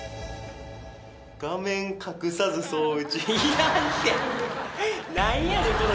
「画面隠さず双打」